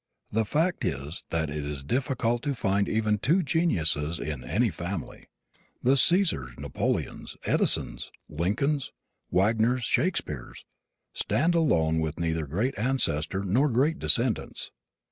The fact is that it is difficult to find even two geniuses in any family. The Caesars, Napoleons, Edisons, Lincolns, Wagners, Shakespeares, stand alone with neither great ancestors nor great descendants.